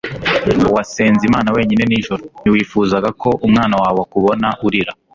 wasenze imana wenyine nijoro, ntiwifuzaga ko umwana wawe akubona urira